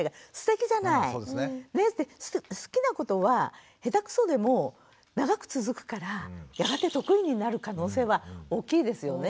好きなことは下手くそでも長く続くからやがて得意になる可能性は大きいですよね。